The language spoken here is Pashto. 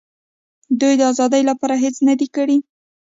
دوی د آزادۍ لپاره هېڅ نه دي کړي.